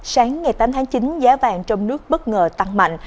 sáng ngày tám tháng chín giá vàng trong nước bất ngờ tăng mạnh